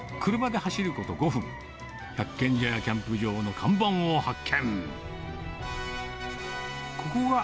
車で走ること５分、百軒茶屋のキャンプ場の看板を発見。